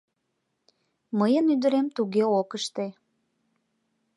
Мыйын ӱдырем туге ок ыште.